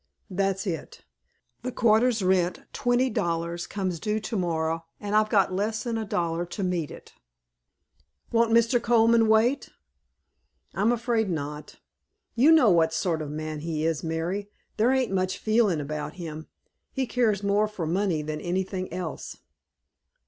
"That's it. The quarter's rent, twenty dollars, comes due to morrow, and I've got less than a dollar to meet it." "Won't Mr. Colman wait?" "I'm afraid not. You know what sort of a man he is, Mary. There ain't much feeling about him. He cares more for money than anything else."